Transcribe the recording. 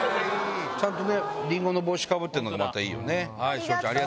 ちゃんとりんごの帽子かぶってるのがまたいいよね。